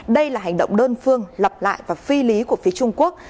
đây là hành động đơn phương lặp lại và phi lý của phía trung quốc